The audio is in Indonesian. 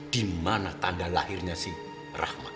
di mana tanda lahirnya sih rahma